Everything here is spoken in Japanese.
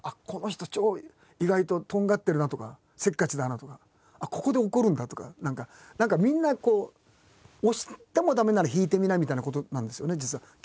この人意外ととんがってるなとかせっかちだなとかここで怒るんだとか何かみんな押しても駄目なら引いてみなみたいなことなんですよね実は。